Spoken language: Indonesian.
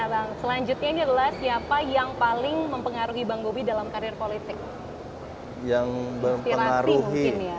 nah bang selanjutnya ini adalah siapa yang paling mempengaruhi bang gobi dalam karir politik